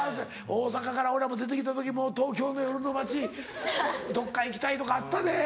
大阪から俺らも出て来た時もう東京の夜の街どっか行きたいとかあったで。